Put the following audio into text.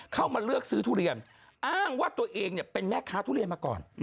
เข้ามาเลือกซื้อทุเรียนอ้างว่าตัวเองเป็นแม่ค้าทุเรียนมาก่อน